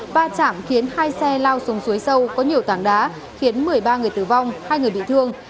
ba chạm khiến hai xe lao xuống suối sâu có nhiều tảng đá khiến một mươi ba người tử vong hai người bị thương